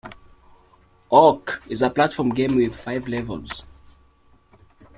"Ork" is a platform game with five levels.